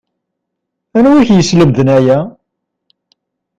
Anwi i k-yeslemden aya